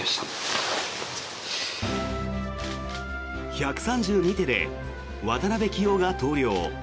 １３２手で渡辺棋王が投了。